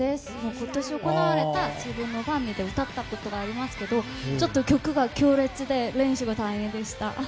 今年行われたファンミーティングで歌ったことがありますけど曲が強烈で練習が大変でした。